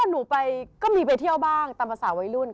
หนูไปก็มีไปเที่ยวบ้างตามภาษาวัยรุ่น